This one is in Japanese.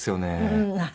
うん。